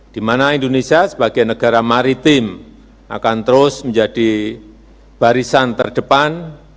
di mana indonesia sebagai negara maritim akan terus menjadi barisan terdepan